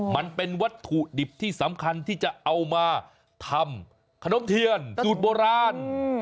มันเป็นวัตถุดิบที่สำคัญที่จะเอามาทำขนมเทียนสูตรโบราณ